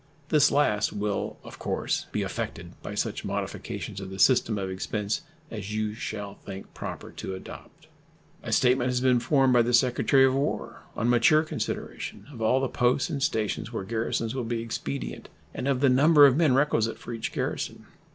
This last will, of course, be affected by such modifications of the system of expense as you shall think proper to adopt. A statement has been formed by the Secretary of War, on mature consideration, of all the posts and stations where garrisons will be expedient and of the number of men requisite for each garrison.